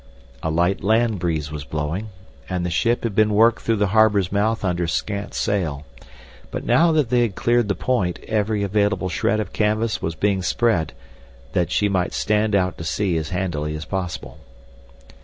A light land breeze was blowing, and the ship had been worked through the harbor's mouth under scant sail, but now that they had cleared the point every available shred of canvas was being spread that she might stand out to sea as handily as possible.